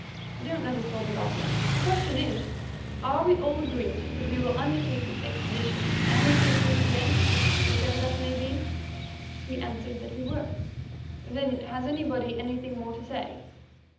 So don't let us bother about the money. The question is—Are we all agreed that we will undertake this expedition and see it through to the end, whatever that may be?" We answered that we were. "Then has anybody anything more to say?"